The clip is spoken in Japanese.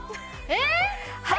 えっ？